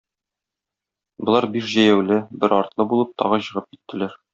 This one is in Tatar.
Болар биш җәяүле, бер атлы булып тагы чыгып киттеләр.